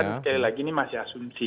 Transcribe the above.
tapi kan sekali lagi ini masih asumsi